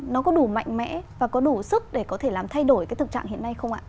nó có đủ mạnh mẽ và có đủ sức để có thể làm thay đổi cái thực trạng hiện nay không ạ